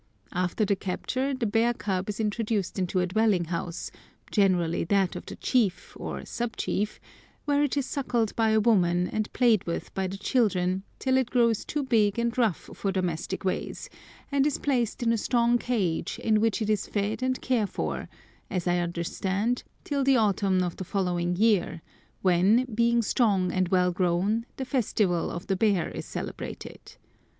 After the capture the bear cub is introduced into a dwelling house, generally that of the chief, or sub chief, where it is suckled by a woman, and played with by the children, till it grows too big and rough for domestic ways, and is placed in a strong cage, in which it is fed and cared for, as I understand, till the autumn of the following year, when, being strong and well grown, the Festival of the Bear is celebrated.